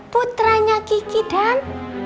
putranya kiki dan